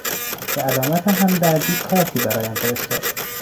به علامت همدردی کارتی برایم فرستاد.